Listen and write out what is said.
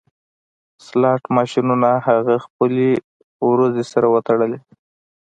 سلاټ ماشینونه هغه خپلې وروځې سره وتړلې